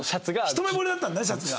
一目惚れだったんだねシャツが。